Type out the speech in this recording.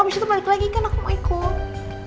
abis itu balik lagi kan aku mau ikut